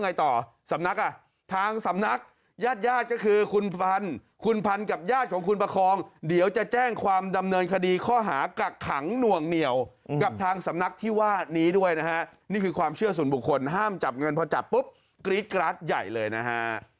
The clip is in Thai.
กับทางสำนักที่ว่านี้ด้วยนะฮะนี่คือความเชื่อส่วนบุคคลห้ามจับเงินพอจับปุ๊บกรี๊ดกรัสใหญ่เลยนะฮะ